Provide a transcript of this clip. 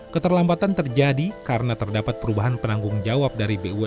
keterlambatan terjadi karena terdapat kabel yang berpengaruh untuk menghubungi kabel tersebut